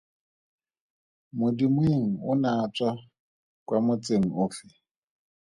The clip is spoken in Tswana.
Modimoeng o ne a tswa kwa motseng ofe?